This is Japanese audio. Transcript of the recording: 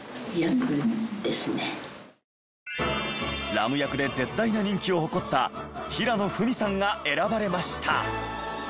ラム役で絶大な人気を誇った平野文さんが選ばれました。